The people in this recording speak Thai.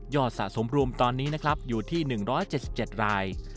ยอดสะสมรวมตอนนี้อยู่ที่๑๗๗ราย